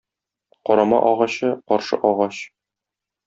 Карама агачы - каршы агач.